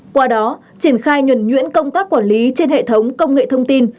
qua đó triển khai nhuẩn nhuyễn công tác quản lý trên hệ thống công nghệ thông tin